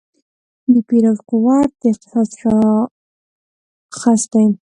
د پیرود قوت د اقتصاد شاخص دی.